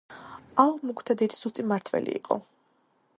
ალ-მუკთადირი სუსტი მმართველი იყო.